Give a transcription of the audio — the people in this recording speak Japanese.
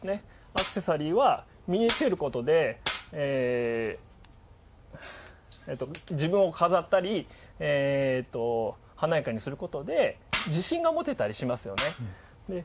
アクセサリーは身につけることで自分を飾ったり華やかにすることで自信が持てたりしますよね。